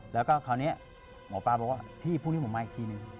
แล้วก็คราวนี้หมอปลาบอกว่าพี่พรุ่งนี้ผมมาอีกทีนึง